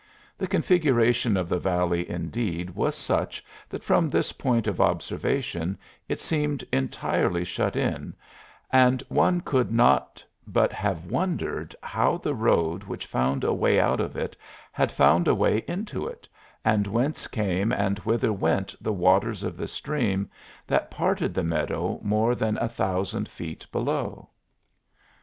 The configuration of the valley, indeed, was such that from this point of observation it seemed entirely shut in, and one could but have wondered how the road which found a way out of it had found a way into it, and whence came and whither went the waters of the stream that parted the meadow more than a thousand feet below.